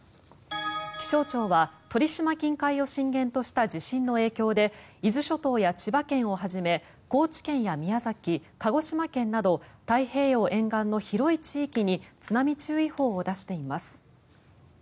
気象庁は鳥島近海を震源とした地震の影響で伊豆諸島や千葉県をはじめ高知県や宮崎、鹿児島県など太平洋沿岸の広い地域に津波注意報を出しています。